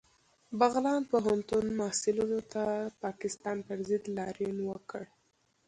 بغلان پوهنتون محصلینو د پاکستان پر ضد لاریون وکړ